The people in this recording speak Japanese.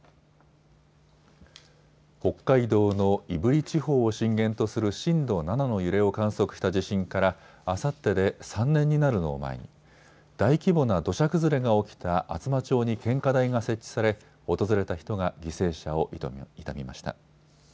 北海道の胆振地方を震源とする震度７の揺れを観測した地震からあさってで３年になるのを前に大規模な土砂崩れが起きた厚真町に献花台が設置され訪れた人が犠牲者を悼みました。